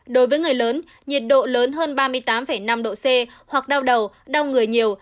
đối với người lớn nhiệt độ lớn hơn ba mươi tám năm độ c hoặc đau đầu đau người nhiều